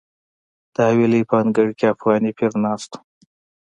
د حویلۍ په انګړ کې افغاني پیر ناست و.